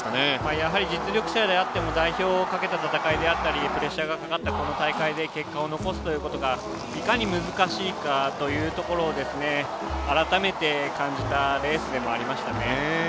やはり実力者であっても代表をかけた戦いであったりプレッシャーのある大会で結果を残すということがいかに難しいかというところを改めて感じたレースでもありましたね。